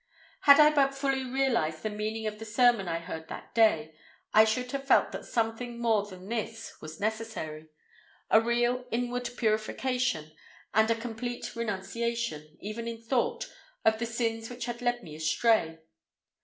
"Had I but fully realised the meaning of the sermon I heard that day, I should have felt that something more than this was necessary—a real inward purification, and a complete renunciation, even in thought, of the sins which had led me astray.